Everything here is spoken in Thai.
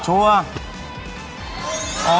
ชัวร์